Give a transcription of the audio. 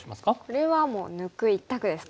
これはもう抜く一択ですか。